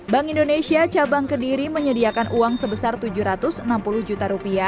bank indonesia cabang ke diri menyediakan uang sebesar rp tujuh ratus enam puluh